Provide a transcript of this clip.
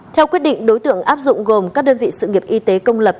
theo quyết định đối tượng áp dụng gồm các đơn vị sự nghiệp y tế công lập